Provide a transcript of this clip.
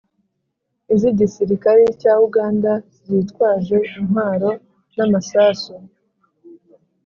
iz'igisirikari cya uganda, zitwaje intwaro n'amasasu